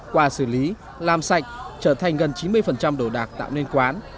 qua xử lý làm sạch trở thành gần chín mươi đồ đạc tạo nên quán